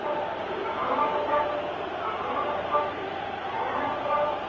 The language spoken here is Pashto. نن چي محتسب پر ګودرونو لنډۍ وچي کړې-